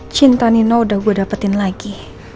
cinta nino udah gue dapetin lagi